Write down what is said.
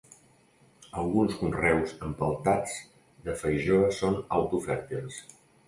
Alguns conreus empeltats de feijoa són auto-fèrtils.